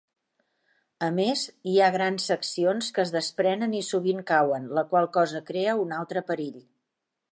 A més, hi ha grans seccions que es desprenen i sovint cauen, la qual cosa crea un altre perill.